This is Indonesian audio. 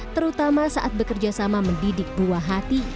terutama saat bekerjasama mendidik buah hati